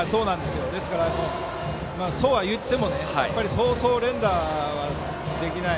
ただ、そうは言ってもそうそう連打はできない。